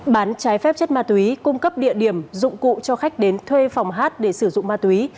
bán trái phép chất ma túy cung cấp địa điểm dụng cụ cho khách đến thuê phòng hát để sử dụng ma túy